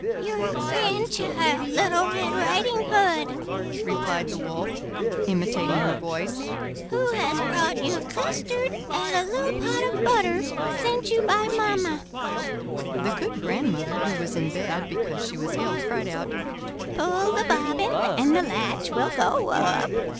"Your grandchild, Little Red Riding Hood," replied the Wolf, imitating her voice; "who has brought you a custard and a little pot of butter sent you by mamma." The good grandmother, who was in bed, because she was ill, cried out: "Pull the bobbin, and the latch will go up."